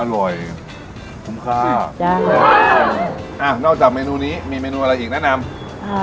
อร่อยคุ้มค่าจ้างอ่ะนอกจากเมนูนี้มีเมนูอะไรอีกแนะนำอ่า